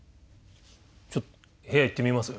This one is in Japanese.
ちょっと部屋行ってみます？